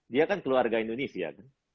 dia kan keluarga indonesia